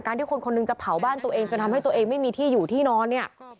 ที่คนคนหนึ่งจะเผาบ้านตัวเองจนทำให้ตัวเองไม่มีที่อยู่ที่นอนเนี่ย